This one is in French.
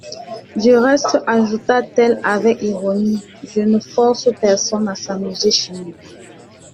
Du reste, ajouta-t-elle avec ironie, je ne force personne à s'amuser chez moi.